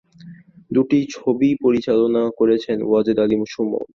দুটি ছবিই পরিচালনা করেছেন ওয়াজেদ আলী সুমন।